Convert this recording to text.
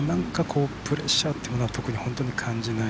プレッシャーというのは特に本当に感じない。